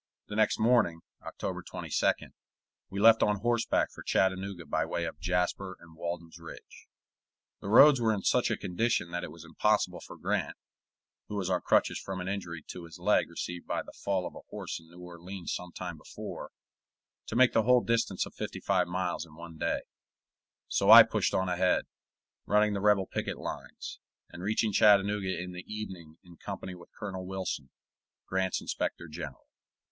The next morning, October 22d, we left on horseback for Chattanooga by way of Jasper and Walden's Ridge. The roads were in such a condition that it was impossible for Grant, who was on crutches from an injury to his leg received by the fall of a horse in New Orleans some time before, to make the whole distance of fifty five miles in one day, so I pushed on ahead, running the rebel picket lines, and reaching Chattanooga in the evening in company with Colonel Wilson, Grant's inspector general.